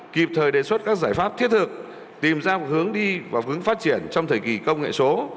kịp thời đề xuất các giải pháp thiết thực tìm ra một hướng đi và hướng phát triển trong thời kỳ công nghệ số